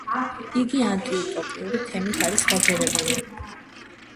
იგი ანტიუტოპიური თემით არის გაჯერებული.